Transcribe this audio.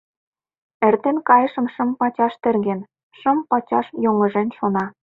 Эртен кайышым шым пачаш терген, шым пачаш йоҥыжен шона.